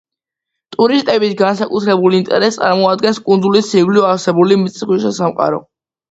ტურისტების განსაკუთრებულ ინტერესს წარმოადგენს კუნძულის ირგვლივ არსებული წყალქვეშა სამყარო.